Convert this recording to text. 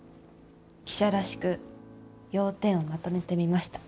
記者らしく要点をまとめてみました。